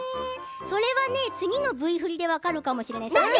それは次のＶ振りで分かるかもしれないね。